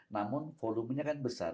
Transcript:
namun volumenya kan besar